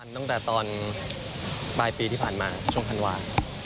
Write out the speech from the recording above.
ตั้งแต่ตอนปลายปีที่ผ่านมาช่วงธันวา